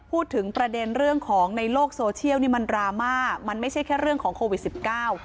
พูดถึงประเด็นเรื่องของในโลกโซเชียลนี่มันดราม่ามันไม่ใช่แค่เรื่องของโควิดสิบเก้า